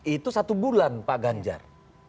itu satu bulan pak ganjar